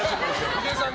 ヒデさん